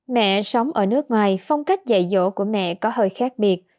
mẹ sống ở nước ngoài phong cách dạy dỗ của mẹ có hơi khác biệt